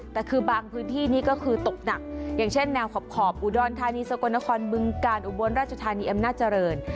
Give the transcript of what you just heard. แต่คือบางพื้นที่นี่ก็คือตกหนักอย่างเช่นแนวขอบอุดรธานีสกลนครบึงกาลอุบลราชธานีอำนาจริง